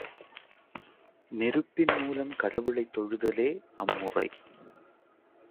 நெருப்பின் மூலம் கடவுளைத் தொழுதலே அம்முறை.